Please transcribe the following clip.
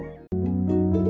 epa menurut ketua iri